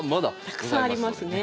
たくさんありますね。